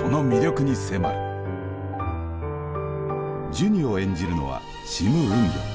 ジュニを演じるのはシム・ウンギョン。